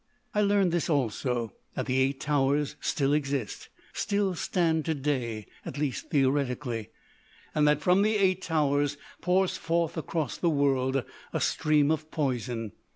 "I learned this, also, that the Eight Towers still exist—still stand to day,—at least theoretically—and that from the Eight Towers pours forth across the world a stream of poison.